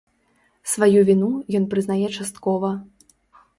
Сваю віну ён прызнае часткова.